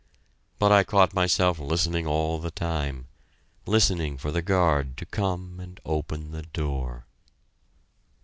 But I caught myself listening all the time listening for the guard to come and open the door!